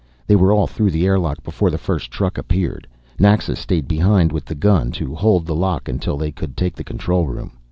They were all through the air lock before the first truck appeared. Naxa stayed behind with the gun, to hold the lock until they could take the control room.